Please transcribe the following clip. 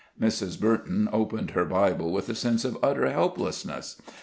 Mrs. Burton opened her Bible with a sense of utter helplessness.